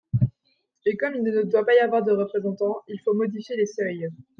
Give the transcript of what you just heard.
Et comme il ne doit pas y avoir de représentant, il faut modifier les seuils.